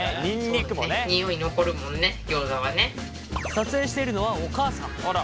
撮影しているのはお母さん。